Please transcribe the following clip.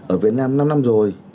ở việt nam năm năm rồi